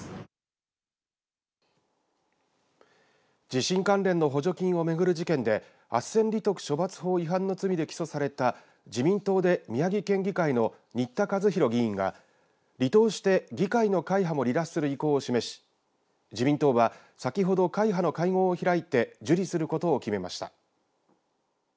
地震関連の補助金を巡る事件であっせん利得処罰法違反の罪で起訴された自民党で宮城県議会の仁田和廣議員が離党して議会の会派も離脱する意向を示し自民党は先ほど会派の会合を開いて受理することを決めました。